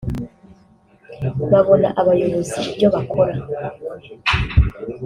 babona abayobozi ibyo bakora